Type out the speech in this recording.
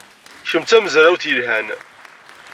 Kemm d tamezrawt yelhan.